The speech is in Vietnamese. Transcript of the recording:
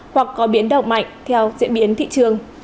hoặc có biến động mạnh theo diễn biến thị trường